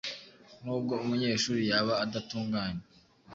Nubwo umunyeshuri yaba adatunganye,